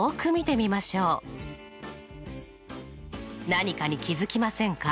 何かに気付きませんか？